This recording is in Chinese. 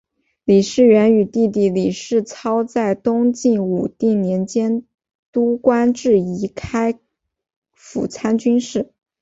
李士元与弟弟李士操在东魏武定年间都官至仪同开府参军事。